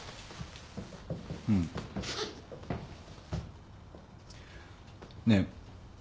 うん。ねえ。